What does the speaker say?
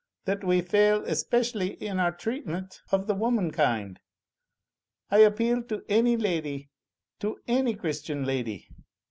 That we fail especially in our treatment of the womenkind. I appeal to any lady, to any Christian lady.